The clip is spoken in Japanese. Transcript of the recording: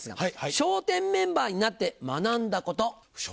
笑点メンバーになって学んだこと。